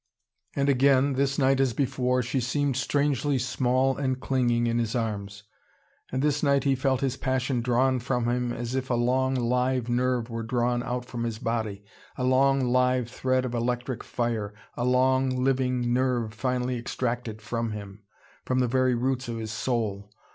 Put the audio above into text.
And again, this night as before, she seemed strangely small and clinging in his arms. And this night he felt his passion drawn from him as if a long, live nerve were drawn out from his body, a long live thread of electric fire, a long, living nerve finely extracted from him, from the very roots of his soul.